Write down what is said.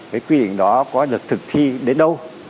cái quy định đó có được thực thi đến đâu